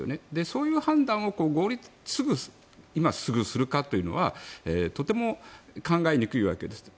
そういう判断を今すぐするかというのはとても考えにくいわけです。